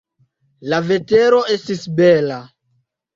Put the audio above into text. La vetero estis bela.